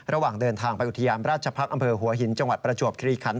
ระหว่างเดินทางไปอุทยานราชพักษ์อำเภอหัวหินจังหวัดประจวบคลีคัน